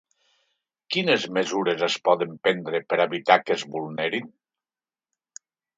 Quines mesures es poden prendre per evitar que es vulnerin?